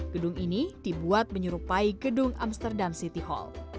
gedung ini dibuat menyerupai gedung amsterdam city hall